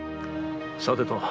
さてと。